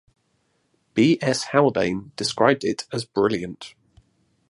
B. S. Haldane described it as brilliant.